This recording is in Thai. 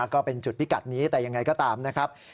ก็เป็นจุดพิกัดนี้แต่ยังไงก็ตามนะครับ